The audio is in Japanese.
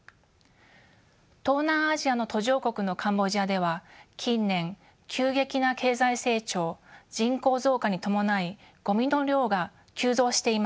東南アジアの途上国のカンボジアでは近年急激な経済成長人口増加に伴いごみの量が急増しています。